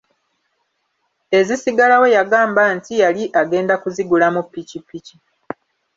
Ezisigalawo yagamba nti yali agenda kuzigulamu pikipiki.